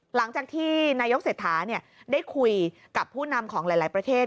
หลังจากที่นายกเศรษฐาได้คุยกับผู้นำของหลายประเทศ